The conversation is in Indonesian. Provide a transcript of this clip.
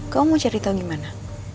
kamu mau cari tahu gimana